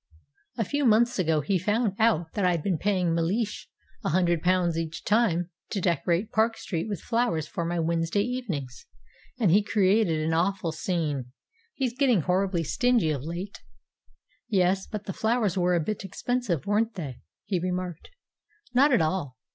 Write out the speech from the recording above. A few months ago he found out that I'd been paying Mellish a hundred pounds each time to decorate Park Street with flowers for my Wednesday evenings, and he created an awful scene. He's getting horribly stingy of late." "Yes; but the flowers were a bit expensive, weren't they?" he remarked. "Not at all.